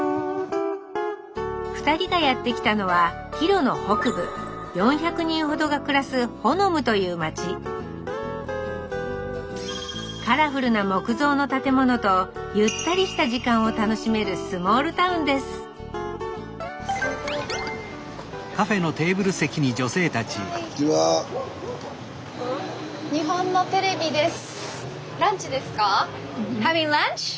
２人がやって来たのはヒロの北部４００人ほどが暮らすホノムという町カラフルな木造の建物とゆったりした時間を楽しめるスモールタウンです日本のテレビです。